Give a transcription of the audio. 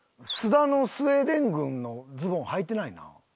菅田のスウェーデン軍のズボンはいてないな。